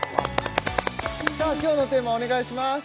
さあ今日のテーマお願いします